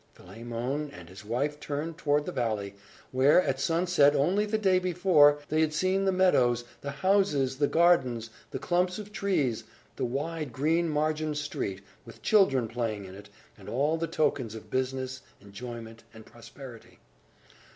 Philemon and his wife turned toward the valley, where, at sunset, only the day before, they had seen the meadows, the houses, the gardens, the clumps of trees, the wide, green margined street, with children playing in it, and all the tokens of business, enjoyment, and prosperity.